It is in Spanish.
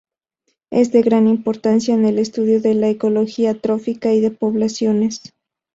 Es de gran importancia en el estudio de la ecología trófica y de poblaciones.